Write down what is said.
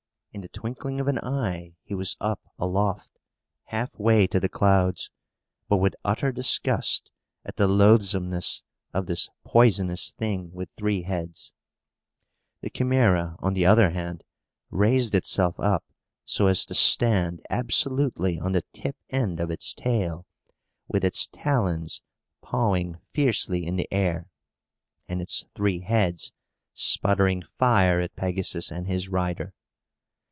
In the twinkling of an eye he was up aloft, half way to the clouds, snorting with anger. He shuddered, too, not with affright, but with utter disgust at the loathsomeness of this poisonous thing with three heads. The Chimæra, on the other hand, raised itself up so as to stand absolutely on the tip end of its tail, with its talons pawing fiercely in the air, and its three heads sputtering fire at Pegasus and his rider.